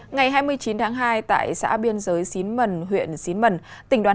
ngày hai mươi chín tháng hai tại xã biên giới xín mần huyện xín mần